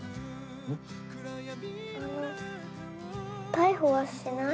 逮捕はしない？